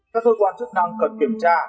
các hội quan chức năng cần kiểm tra